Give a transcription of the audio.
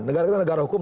negara kita negara hukum